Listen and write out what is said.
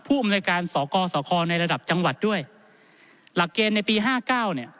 อำนวยการสกสคในระดับจังหวัดด้วยหลักเกณฑ์ในปีห้าเก้าเนี่ย